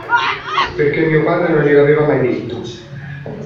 Perché mio padre non gliel'aveva mai detto.